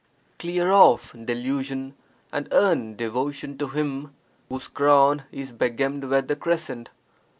Clear off delusion and earn devotion to Him whose crown is begemmed with the crescent.